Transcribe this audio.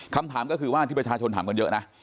คำถามก็คือว่าที่ประชาชนถามกันเยอะนะ